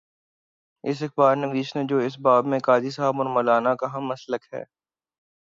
اس اخبار نویس نے جو اس باب میں قاضی صاحب اور مو لانا کا ہم مسلک ہے۔